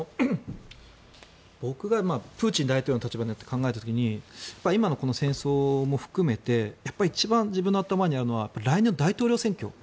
僕がプーチン大統領の立場になって考えた時に今の戦争も含めて一番自分の頭にあるのは来年の大統領選挙。